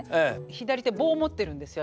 左手棒持ってるんですよ